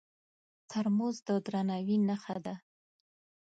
ترموز د درناوي نښه ده.